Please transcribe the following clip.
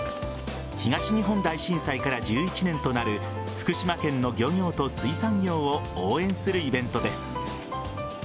東日本大震災から１１年となる福島県の漁業と水産業を応援するイベントです。